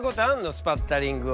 スパッタリングを。